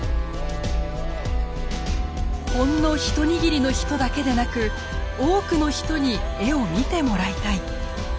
「ほんの一握りの人だけでなく多くの人に絵を見てもらいたい」。